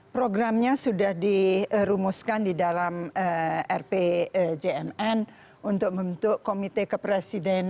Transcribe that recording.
programnya sudah dirumuskan di dalam rpjmn untuk membentuk komite kepresidenan